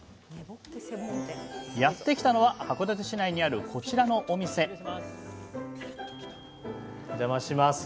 やってきたのは函館市内にあるこちらのお店おじゃまします。